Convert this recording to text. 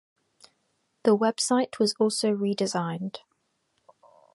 The website was also redesigned.